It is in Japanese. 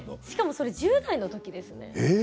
しかも１０代のときですね。